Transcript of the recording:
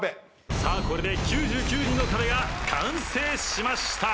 さあこれで９９人の壁が完成しました。